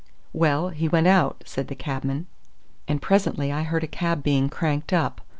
"Well, he went out," said the cabman, "and presently I heard a cab being cranked up.